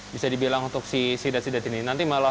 bisa dibilang untuk si sidap sidap ini nanti malah